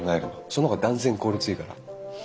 その方が断然効率いいから。